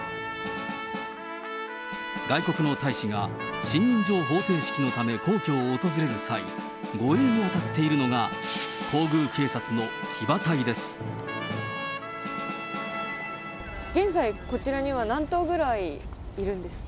外国の大使が信任状捧呈式の際、皇居を訪れる際、護衛に当たって現在、こちらには何頭くらいいるんですか？